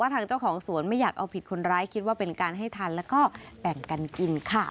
ทางเจ้าของสวนไม่อยากเอาผิดคนร้ายคิดว่าเป็นการให้ทันแล้วก็แบ่งกันกินค่ะ